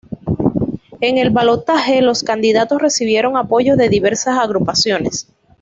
En el balotaje, los candidatos recibieron apoyos de diversas agrupaciones.